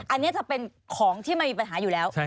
อันนี้จะเป็นของที่มันมีปัญหาอยู่แล้ว